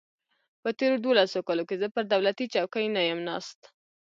په تېرو دولسو کالو کې زه پر دولتي چوکۍ نه یم ناست.